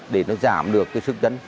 để giảm được sức dân